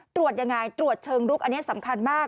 ตรวจยังไงตรวจเชิงลุกอันนี้สำคัญมาก